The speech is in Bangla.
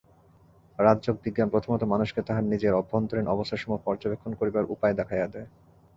রাজযোগ-বিজ্ঞান প্রথমত মানুষকে তাহার নিজের অভ্যন্তরীণ অবস্থাসমূহ পর্যবেক্ষণ করিবার উপায় দেখাইয়া দেয়।